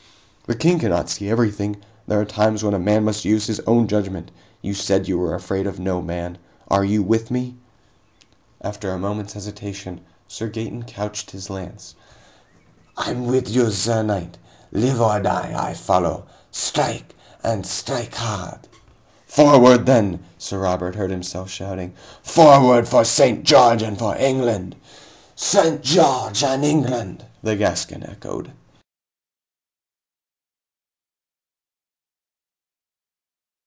"The King cannot see everything! There are times when a man must use his own judgment! You said you were afraid of no man. Are you with me?" After a moment's hesitation, Sir Gaeton couched his lance. "I'm with you, sir knight! Live or die, I follow! Strike and strike hard!" "Forward then!" Sir Robert heard himself shouting. "Forward for St. George and for England!" "St. George and England!" the Gascon echoed.